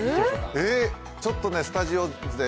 ちょっと、スタジオ勢